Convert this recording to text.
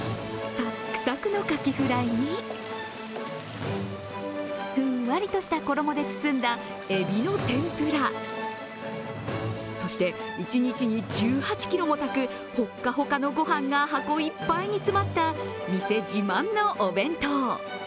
サクサクのかきフライにふんわりとした衣で包んだえびの天ぷらそして、一日に１８ｋｇもたくほっかほかの御飯が箱いっぱいにつまった店自慢のお弁当。